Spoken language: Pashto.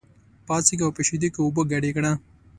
پاڅېږه او په شېدو کې اوبه ګډې کړه.